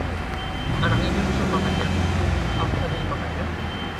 anak ini rusuh makannya, apa saja dimakannya